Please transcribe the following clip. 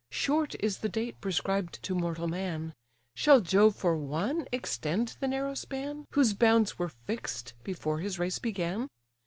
Short is the date prescribed to mortal man; Shall Jove for one extend the narrow span, Whose bounds were fix'd before his race began?